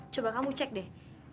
coba kamu cek deh